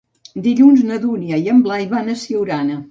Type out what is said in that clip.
Dilluns na Dúnia i en Blai van a Siurana.